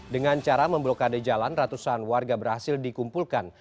dengan cara memblokade jalan ratusan warga berhasil dikumpulkan